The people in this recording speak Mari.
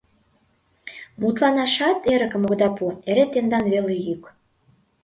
— Мутланашат эрыкым огыда пу, эре тендан веле йӱк.